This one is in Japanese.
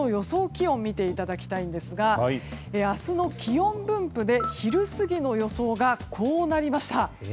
気温を見ていただきますと明日の気温分布で昼過ぎの予想がこうなりました。